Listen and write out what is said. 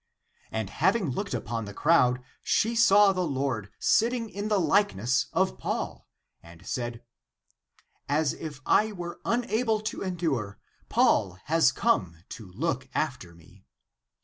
And having looked upon the crowd, she saw the Lord sitting in the likeness of Paul, and said, " As if I were unable to endure, Paul has come to look after me."